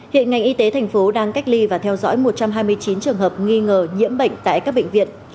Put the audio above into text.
hiện ngành y tế thành phố đang cách ly và theo dõi một trăm hai mươi chín trường hợp nghi ngờ nhiễm bệnh tại các bệnh viện